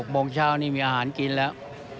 โมงเช้านี่มีอาหารกินแล้ว